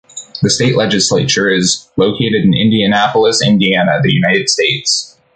The state legislature is located in Indianapolis, Indiana, the United States.